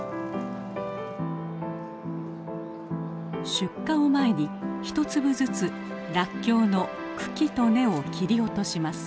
出荷を前に１粒ずつらっきょうの茎と根を切り落とします。